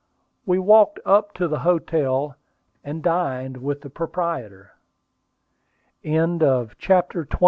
We walked up to the hotel, and dined with the proprietor. CHAPTER XXII.